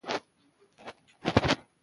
هغې لومړۍ اوزیمپیک ستنه واخیسته.